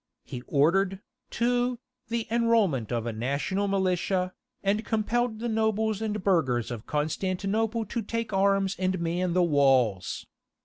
He ordered, too, the enrolment of a national militia, and compelled the nobles and burghers of Constantinople to take arms and man the walls.